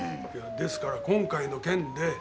いやですから今回の件で。